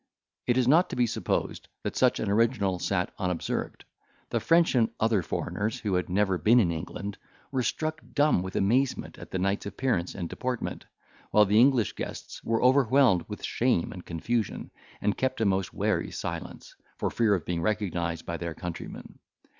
It is not to be supposed that such an original sat unobserved. The French and other foreigners, who had never been in England, were struck dumb with amazement at the knight's appearance and deportment; while the English guests were overwhelmed with shame and confusion, and kept a most wary silence, for fear of being recognised by their countryman.